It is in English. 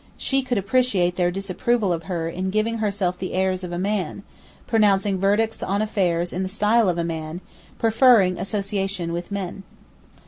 She could appreciate their disapproval of her in giving herself the airs of a man, pronouncing verdicts on affairs in the style of a man, preferring association with men.